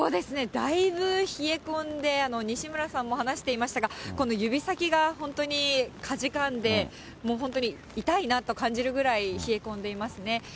だいぶ冷え込んで、西村さんも話していましたが、指先が本当にかじかんで、本当に痛いなって感じるぐらい冷え込んでいますね。